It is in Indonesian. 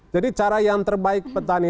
jadi cara yang terbaik petani